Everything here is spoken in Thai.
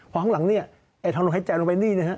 พอข้างหลังนี่ไอ้ทางโรงไฮแจลงลงไปนี่